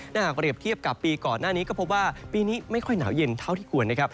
ถ้าหากเรียบเทียบกับปีก่อนหน้านี้ก็พบว่าปีนี้ไม่ค่อยหนาวเย็นเท่าที่ควรนะครับ